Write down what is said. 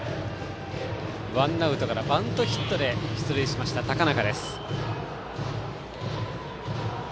ワンアウトからバントヒットで出塁、高中。